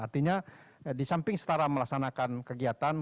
artinya di samping setara melaksanakan kegiatan